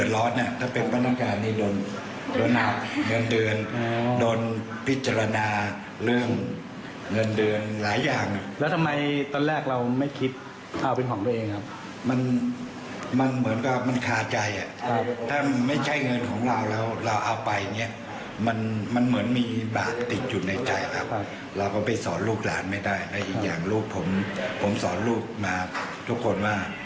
ลูกหลานไม่ได้ให้อีกอย่างลูกผมสอนลูกมาทุกคนว่า